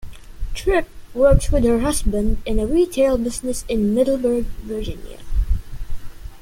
Tripp works with her husband in a retail business in Middleburg, Virginia.